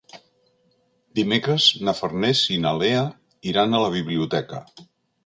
Dimecres na Farners i na Lea iran a la biblioteca.